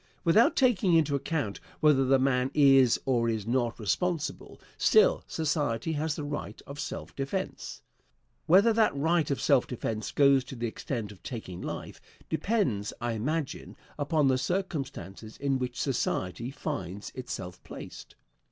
Without taking into account whether the man is or is not responsible, still society has the right of self defence. Whether that right of self defence goes to the extent of taking life, depends, I imagine, upon the circumstances in which society finds itself placed.